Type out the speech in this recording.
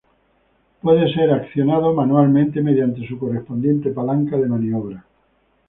Puede ser accionado manualmente mediante su correspondiente palanca de maniobra.